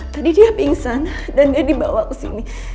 tadi dia pingsan dan dia dibawa ke sini